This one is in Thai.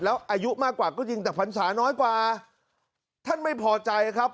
แล้วอายุมากกว่าก็จริงแต่พรรษาน้อยกว่าท่านไม่พอใจครับ